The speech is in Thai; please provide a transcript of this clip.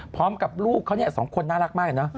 พร้อมกับลูกเขานี่๒คนน่ารักมาก